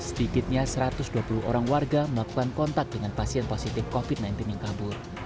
sedikitnya satu ratus dua puluh orang warga melakukan kontak dengan pasien positif covid sembilan belas yang kabur